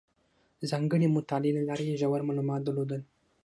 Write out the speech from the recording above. ځانګړې مطالعې له لارې یې ژور معلومات درلودل.